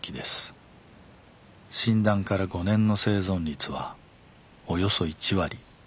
診断から５年の生存率はおよそ１割。